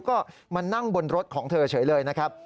ก็มานั่งบนรถของเธอเฉยเลยนะครับ